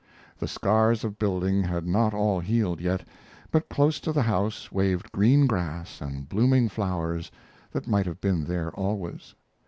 The scars of building had not all healed yet, but close to the house waved green grass and blooming flowers that might have been there always.